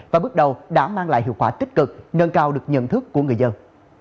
và bước đầu đã mang lại hiệu quả tích cực nâng cao được nhận thức của người dân